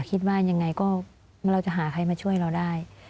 คิดว่ายังไงก็เราจะหาใครมาช่วยเราได้